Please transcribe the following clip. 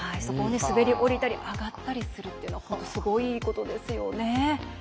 そこに滑り降りたり上がったりするというのはすごいことですよね。